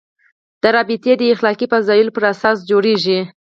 دا رابطه د اخلاقي فضایلو پر اساس جوړېږي.